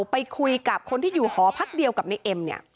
ไปคุยกับคนที่อยู่หอพักเดียวกับนายเอ็ม